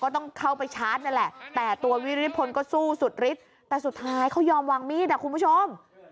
แต่สุดท้ายเขายอมวางมีดอะคุณผู้ชม